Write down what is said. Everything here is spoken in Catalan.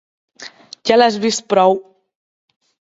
Ja l'has vist prou!